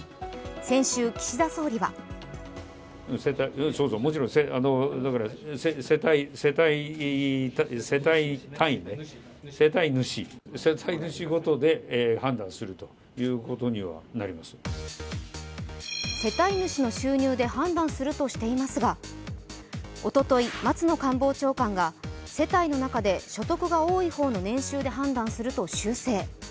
先週、岸田総理は世帯主の収入で判断するとしていますがおととい、松野官房長官が世帯の中で所得が多い方の年収で判断すると修正。